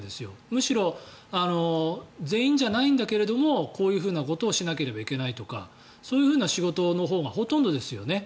むしろ全員じゃないんだけどこういうことをしなければいけないとかそういう仕事のほうがほとんどですよね。